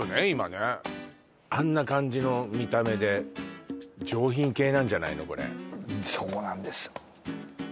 今ねあんな感じの見た目で上品系なんじゃないのこれそうなんです